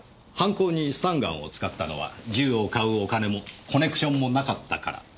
犯行にスタンガンを使ったのは銃を買うお金もコネクションもなかったから。